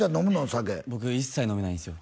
酒僕一切飲めないんですよ